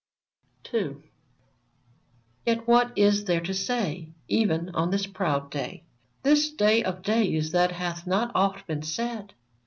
IL Yet what is there to say, Even on this proud day. This day of days, that hath not oft been said?